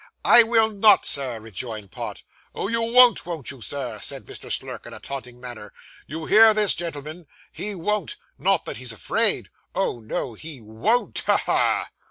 'I will not, sir,' rejoined Pott. 'Oh, you won't, won't you, sir?' said Mr. Slurk, in a taunting manner; 'you hear this, gentlemen! He won't; not that he's afraid , oh, no! he won't. Ha! ha!